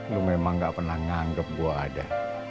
lu memang gak pernah nganggep gue ada